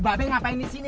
eh babeh ngapain disini